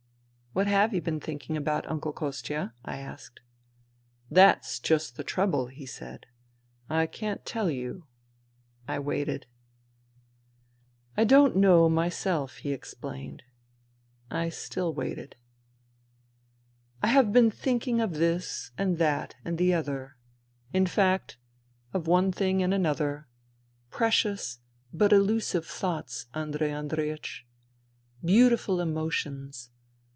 " What have you been thinking about, Uncle Kostia ?" I asked. " That's just the trouble," he said, '' I can't tell you." I waited, " I don't know myself," he explained. INTERVENING IN SIBERIA 155 I still waited. " I have been thinking of this and that and the other, in fact, of one thing and another — precious but elusive thoughts, Andrei Andreiech. Beautiful emotions.